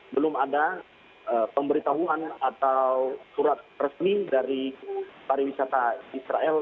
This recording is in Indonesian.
belum ada pemberitahuan atau surat resmi dari pariwisata israel